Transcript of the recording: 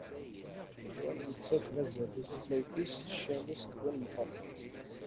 Win yettakken azal i tutlayt-is, ccan-is d win meqqren.